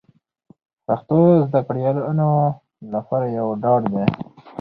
پښتو زده کړیالانو لپاره یو ډاډ دی